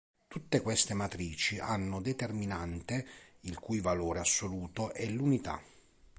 Tutte queste matrici hanno determinante il cui valore assoluto è l'unità.